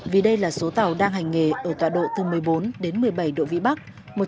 vì đây là số tàu đang hành nghề ở tọa độ từ một mươi bốn đến một mươi bảy độ vĩ bắc